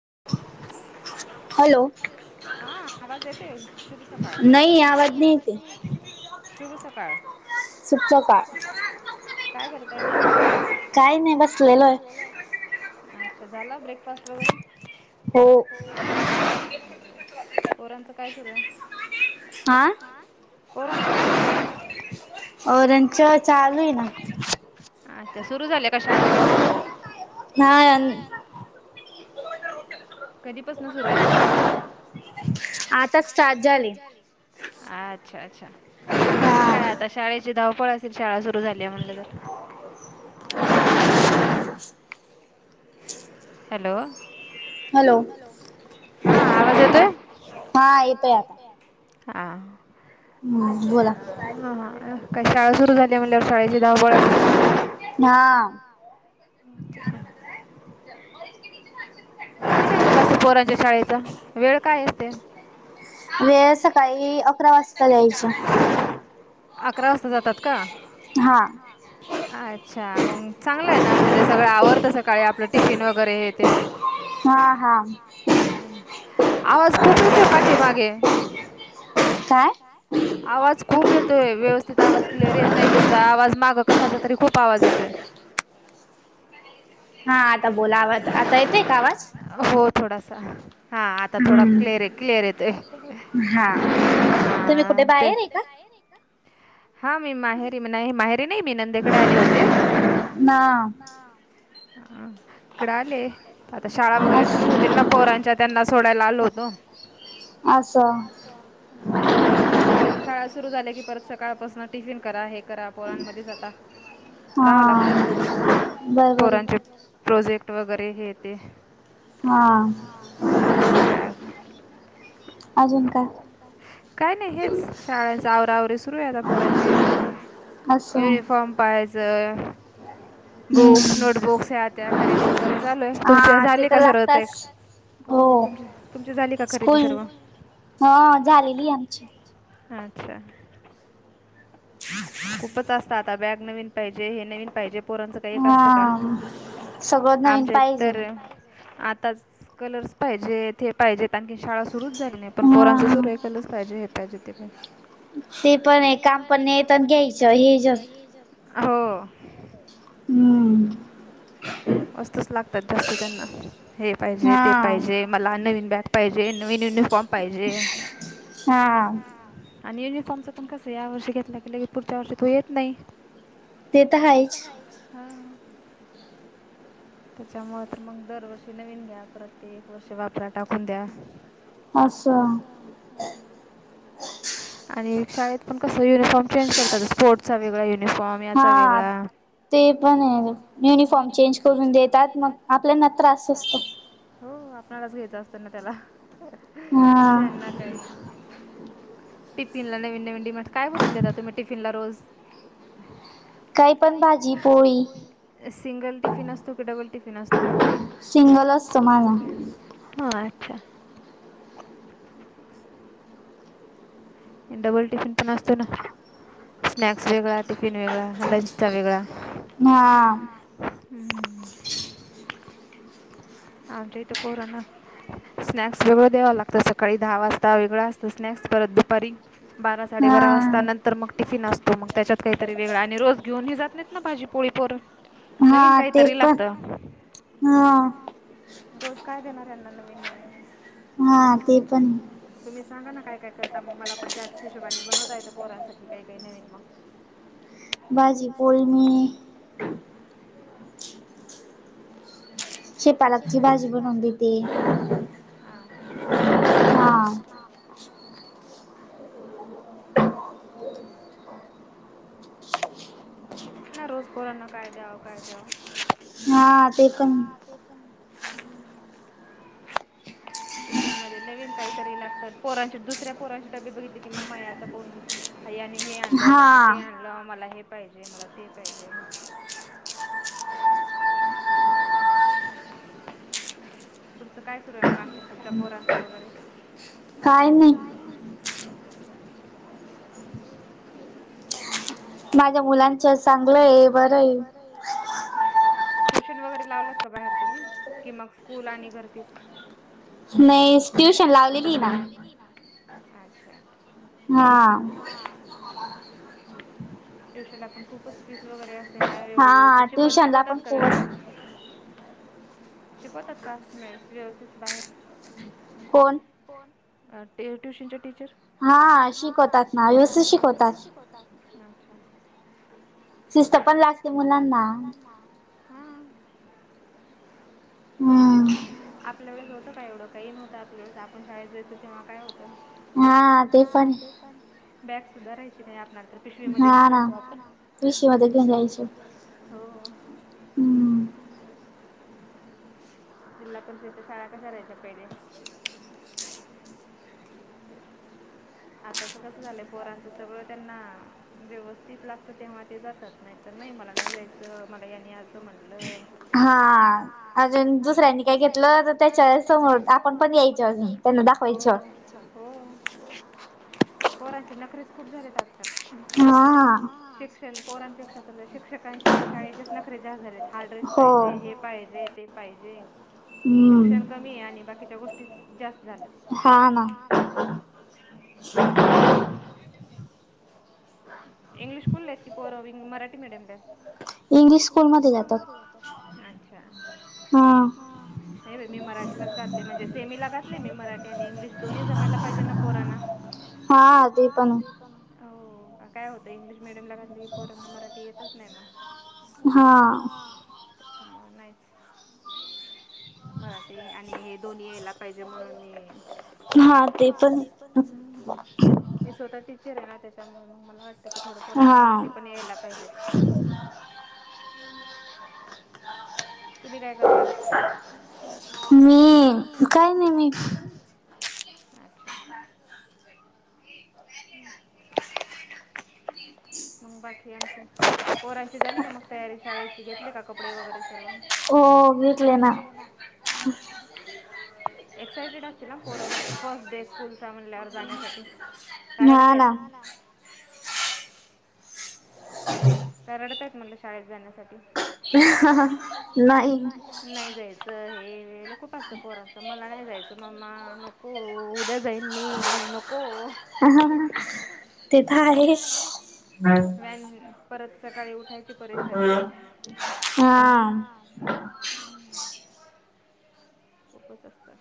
ह [unintelligible] झाला break [unintelligible] fast वगैरे हो पोरांचं काय सुरू आहे आ पोरांचं काय सुरू आहे पोरांचं चा त्या सुरू झाल्या का शाळा वगैरे कधीपासन सुरू आहेत मग तुझी धावपळ असल शाळा सुरू झाली म्हटलं तर हॅलो हॅलो हा [unintelligible] येतोय आता हा हा काही शाळा सुरु झाल्या म्ह शाळेची धावबळ असेल मग कॉलेज [unintelligible] किती टाइमिंग असतो पोरांच्या शाळेचा वेळ काय असते वेळ सकाळी अकरा वाजता अकरा वाजता यायचं अकरा वाजता जातात का हा अच्छा मग चांगलं आहे ना म्हणजे सगळ आवरत सकाळी टिफिन वगैरे येते ह आवाज खूप येतोय काय आवाज खूप येतोय व्यवस्थित आवाज क्लिअर येत नाही तुमचा आवाज माग कशाचा तरी खूप आवाज येतोय हा आता बोला आता येतोय का आवाज हो थोडासा सहा हा आता थोडा हा मी माहेरी नाही माहेरी नाही मी नंदेकडे आले होते हा ह इकडे आले आता शाळा वगैरे सुरू होतील ना पोरांच्या त्यांना सोडायला आलो हो दोन असं ह मग आता पोरांच्या शाळा सुरु झाल्या कि परत स सकाळपासून टिफिन करा हे करा पोरांमध्ये जाता हा बर बर वगैरे हे ते का काय नाही हेच शाळांचे आवरा आवरी पोरांचे युनिफार्म पाळा ज बुक्स नोटबुक्स या त्या खरेदी वगैरे झालोय तुमचे झाले का सर्व ते आहे हो तुम तुमची झाली का खरेदी सर्व अच्छा खूपच असत आता बॅग नवीन पाहिजे हे नवीन पाहिजे पोरांचं का एक असतं का आमच्या तर आ आता कलर्स पाहिजे ते पाहिजे आणखी शाळा सु सुरूच झाली नाही पण पोरांच सुरूय हेच पाहिजे हे पाहिजे ते पण ते पण आहे काम पण नाही येत पण नाहीेत घ्यायचं हे हो वस्तूच लागतात जास्त त्यांना हे पाहिजे ते पाहिजे मला नवीन बॅग पाहिजे नवीन युनिफॉर्म हां. आणि युनिफॉर्मच पण कसं यावर्षी घेतला की पुढच्या वर्षी तो येत नाही. ते तर हायच हां. त्याच्यामुळे तर मग दरवर्षी नवीन घ्या परत ते एक वर्ष वापरा टाकून द्या. अच्छा हम्म हम्म. आणि शाळेत पण कसं युनिफॉर्म चेंज करतात स्पोर्टचा वेगळा यु निफॉर्म याचा वेगळा [unintelligible] करून देतात मग आपल्याना त्रास असतो. हो आ [unintelligible] घ्यायचा असतो ना त्याला. [unintelligible] काय नाही. टिफिनला नवीन नवीन डिमांड, काय बनवून देता तुम्ही? टिफिनला रोज. काही पण भाजी पोळी सिंगल टिफिन असतो. डबल टिफिन असतो. सिंगल असत मला. हं अच्छा! डबल टिफिन पण असतो, ना स्नॅक्स वेगळा, टिफिन वेगळा, लंचचा वेगळा हा.. आमच्या इथ पोराना स्नॅक्स वेगळं द्यावा लागतं, सकाळी दहा वाजता वेगळं असत, स्नॅक्स परत दुपारी बारा, साडेबारा वाजता नंतर मग टिफिन असतो. त मग त्याच्यात काहीतरी वेगळा, आणि रोज घेऊन ह जात नाही ना भाजी पोळी पोर? हा ते पण हा.. रोज काय देणार यांना नवीन नवीन? हा ते पण---तुम्हीच सांगा ना काय काय कर? मग मला पण जास्त हिशोबाने बनवतायेतं पोरांसाठी काही काही नवीन मग. भाजी पोळी आणि [unintelligible] हां. हां. ना रोज पोरांना काय द्याव काय द्याव? हां ते पण हम्म. टिफिनमध्ये नवीन काहीतरी लागतं पोरांचे दुसऱ्या पोरांचे डबे बघितले की मग याचा पाहून [unintelligible] हे आणलं त्यांनी ते आणलं मला हे पाहिजे मला ते पाहिजे तुमचं काय सुरू आहे मग आणखी तुमच्या पोरांचं वगैरे काय नाही अच्छा माझ्या मुलांच चांगलं ये बरं ये ट्युशन वगैरे लावलत का बाहेर तुम्ही कि मग स्कूल आणि घरतीच नाही ट्युशन लावलेली ना अच्छा हा ट्युशनला पण खूपच फीस वगैरे नाही एवढ व्यवस्थित शिक शिकवतात का व्यवस्थित, शिकवतात का व्यवस्थित बाहेर, कोण? ट्युशनच्या टीचर, हा शिकवतात ना व्यवस्थित शिकवतात. अच्छा, शिस्त पण लागते मुलांना, हा हम्म आपल्या वळेस होतं काय एवढं काही नव्हतं आपल्या वळेस आपण शाळेत जायचं तेव्हा काय होतं. हा ते पण, बॅग सुद्धा राहायची नाही आपली, नाहीतर पिशवी म घेऊन जायचो आपण, पिशवी मध्ये घेऊन जायचो. हो जिल्हा परिषदेच्या शाळा कशा राहायच्या पहिले, आताच कसं झालंय पोरांच सगळं त्यांना व्यवस्थित लागत तेव्हा ते जातात. नाही तर नाही मला नाही जायचं मला याने असं म्हटलं, हा अजून दुसऱ्यांनी काय घेतलं तर त्याच्या समोर आपण पण यायच अजून त्यांना दाखवायचं. पोरांचे नकरेच खूप झालेत. आता, हा पोरांपेक्षा तर लय शिक्षकाचे शाळेचेच नखरे जास्त झालेत. हा ड्रेस पाहिजे, हे पाहिजे ते पाहिजे. शिक्षण कमी आहे आणि बाकीच्या गोष्टी ते जास्त झालं, हा हा [inaudible] इंग्लिश स्कूल आहेत कि मराठी मेडीयमला आहेत. इंग्लिश स्कूल मध्ये जातात. अच्छा, हा नाही बाई मी मराठीलाच घातले, म्हणजे सेमीला घातले मी मराठी आणि इंग्लिश दोन्ही जमायला पाहिजे ना पोरांना, हा ते पण काय होतयं इंग्लिश मिडियमला घातली की पोरांना मराठी येतच नाही मग, हा नाहीच मराठी आणि हे दोन्ही यायला पाहिजे म्हणून मी हा ते पण आहे ना त्याच्यामुळे कि थोड पोरांना मराठी पण यायला पाहिजे तुम्ही काय करता मी काय नाही मी अच्छा मग बाकी आणखी पोरांची झाली का मग तयारी शाळेची घेतली का कपडे वगैरे सर्व हो वीटले ना एक्सायटेड असतील ना पोर मग फर्स्ट डे स्कूलचा म्हणल्यावर जाण्यासाठी का रडत आहे का रडता येत म्हलं शाळेत जाण्यासाठी नाही जायचं हे वेला खूप असतं पोराचं मला नाही जायचं म्मा नको उद्या जाईन मी आज नको तेथ आहे परत सकाळी उठायची परेशानी खूपच असत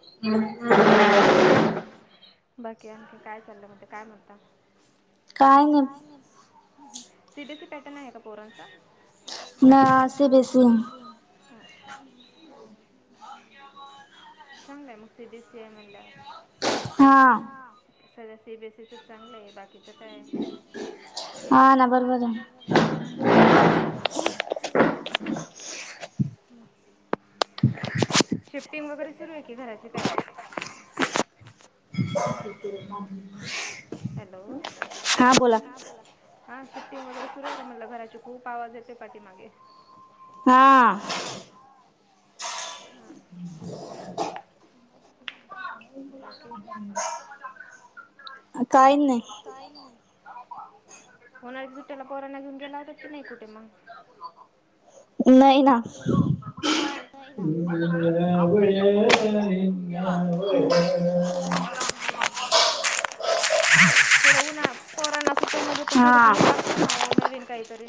हम् बाकी आणखी काय चाललं काय म्हणता काय नाही C B S C pattern आहे का पोरांचा ना सीबीएससी चांगलंय मग सीबीएससी म्हणल्यावर हा सध्या सीबीएसईचच चांगलं आहे बाकीचं काय हा ना बराबरा आहे, [unintelligible] शिफ्टिंग वगैरे [unintelligible] सुरू आहे की घराची काय, [unintelligible] हॅलो, हा बोला, शिफ्टिंग वगैरे सुरु आहे का घराची म्हणले खूप आवाज येते पाठीमागे हा [unintelligible] [unintelligible] बाकी, काही नाही, होणाऱ्या सुट्टटीला पोराणा घेऊन गेला होता की नाही कुठे मग, नाही ना [unintelligible] [unintelligible] वळ व [unintelligible] पोरांना सुटी, त्या मध्ये पण थोडस हे लागतं ना नवीन काहीतरी,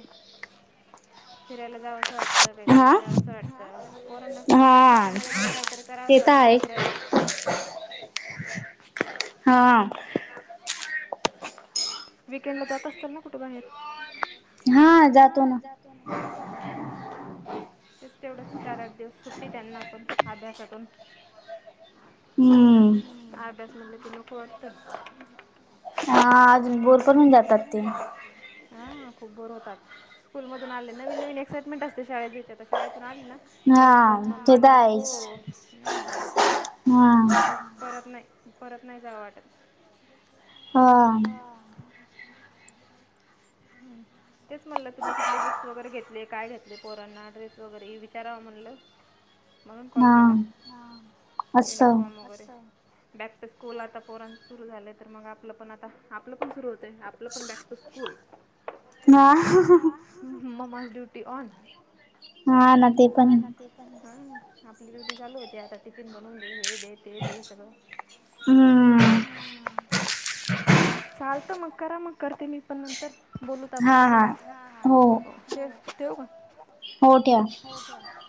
फिरायला जावं असं वाटतं काहीतरी करावं अस वाटत, हा करावस वाटत फिरला, हा, विकेंडला जात असता ना कुठेबाहेर? हा जातो ना हम् तेच तेवढंच चार आठ दिवस सुट्टी त्यांना पण अभ्यासातून, हम्म [unintelligible] अभ्यास म्हलं की नको वाटत, हा अजून बोरपन हून जातात ती, हा खूप बोर होतात स्कूल मधून आले नवीन नवीन एक्साइटमेंट असते शाळेयच्या तर शाळेतून आली ना, परत परत म्मा नको म परत नाही परत नाही जांं वाटत हा [unintelligible] तेच म्हटलं तुम्ही कुठल बुक्स वगैरे घेतले काय घेतले पोरांना ड्रेस वगैरे विचारावा म्हणलं म्हणून कॉल केला हा युनिफॉर्म वगैरे असं बॅक टू स्कूल आता पोरां सुरू झालं तर मग आपलं पण आता आपलं पण सुरू होतय आपलं पण back to school mum duty on हा ना ते पण आपली ड्यूटी चालू होतीय आता टिफिन बनवून दे हे दे ते दे सगळं हम्म चालत मग करा मग करते मी पण नंतर. बोलूत आपण असच ठेवु का. हो ठेवा.